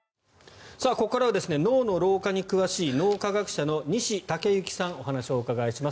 ここからは脳の老化に詳しい脳科学者の西剛志さんにお話をお伺いします。